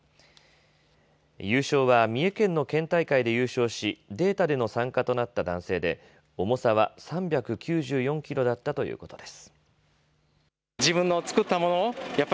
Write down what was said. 優勝は三重県の県大会で優勝し、データでの参加となった男性で、重さは３９４キロだったということです。